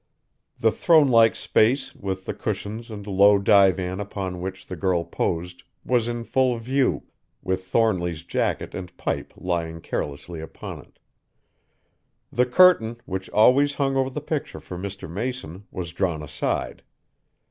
The throne like space, with the cushions and low divan upon which the girl posed, was in full view, with Thornly's jacket and pipe lying carelessly upon it. The curtain, which always hung over the picture for Mr. Mason, was drawn aside.